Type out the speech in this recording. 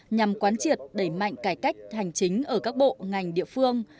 nhằm quán triệt đẩy mạnh cải cách hành chính ở các bộ ngành địa phương